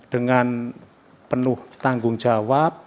dengan penuh tanggung jawab